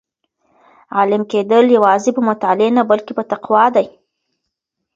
عالم کېدل یوازې په مطالعې نه بلکې په تقوا دي.